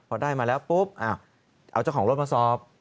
พอได้มาแล้วปุ๊บเอาเจ้าของรถมาสอบ